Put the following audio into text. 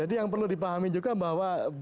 jadi yang perlu dipahami juga bahwa berkurungan